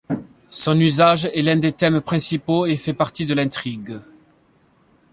Son usage est l'un des thèmes principaux, et fait partie de l'intrigue.